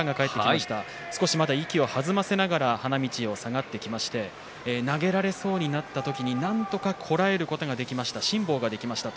まだ少し息を弾ませながら花道を下がってきまして投げられそうになった時になんとかこらえることができました、辛抱できました。